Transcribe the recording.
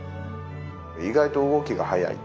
意外と動きが速い。